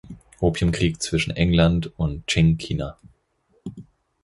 Opiumkrieg zwischen England und Qing-China.